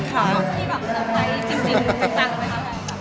ตอนที่แบบไล่จริงมีปังหรือเปล่าครับ